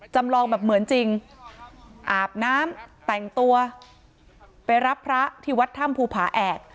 จำลองแบบเหมือนจริงอาบน้ำแต่งตัวไปรับพระที่วัดถ้ำภูผาแอก